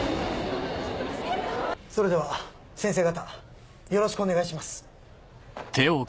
それでは先生方よろしくお願いします。